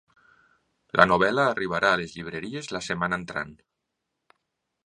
La novel·la arribarà a les llibreries la setmana entrant.